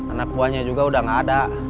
anak buahnya juga udah gak ada